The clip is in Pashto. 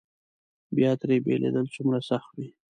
بیا ترې بېلېدل څومره سخت وي.